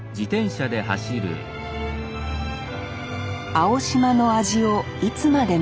青島の味をいつまでも。